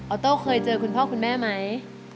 โต้เคยเจอคุณพ่อคุณแม่ไหม